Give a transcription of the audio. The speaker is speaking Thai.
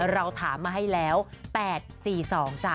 เราถามมาให้แล้ว๘๔๒จ้ะ